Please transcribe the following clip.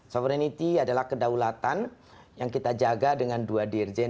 soverenity adalah kedaulatan yang kita jaga dengan dua dirjen